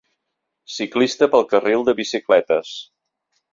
Ciclista pel carril de bicicletes